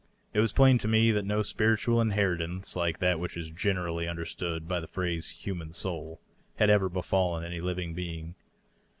It was plain to me diat no spiritual inheritance like that which is generally un derstood by the phrase ' human soul' had ever befallen any living being.